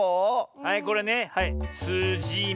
はいこれねはいす・じ・み。